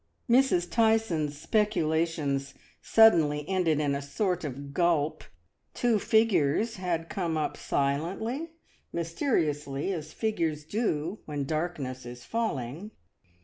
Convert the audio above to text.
Mrs. Tyson's speculations suddenly ended in a sort of gulp; two figures had come up BEACON FIRES. I3I silently, mysteriously, as figures do when darkness is falling.